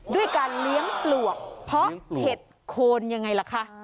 ด้วยการเลี้ยงปลวกเพราะเห็ดโคนยังไงล่ะคะ